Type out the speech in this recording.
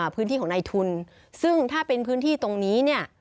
พื้นที่ของนายทุนซึ่งถ้าเป็นพื้นที่ตรงนี้เนี่ย